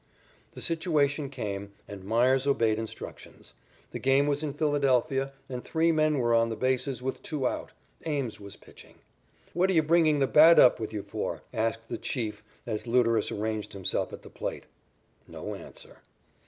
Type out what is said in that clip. The situation came, and Meyers obeyed instructions. The game was in Philadelphia, and three men were on the bases with two out. Ames was pitching. "What are you bringing the bat up with you for?" asked the "Chief" as Luderus arranged himself at the plate. No answer.